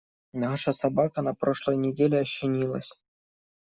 Наша собака на прошлой неделе ощенилась.